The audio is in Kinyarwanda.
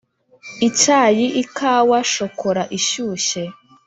icyayi / ikawa / shokora ishyushye